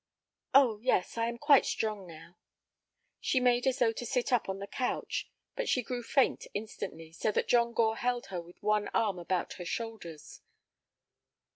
"Oh yes, I am quite strong now." She made as though to sit up on the couch, but she grew faint instantly, so that John Gore held her with one arm about her shoulders.